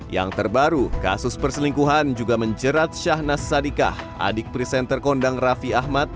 yang terbaru kasus perselingkuhan juga menjerat syahnas sadikah adik presenter kondang raffi ahmad